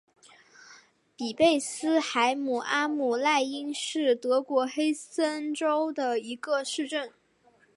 比贝斯海姆阿姆赖因是德国黑森州的一个市镇。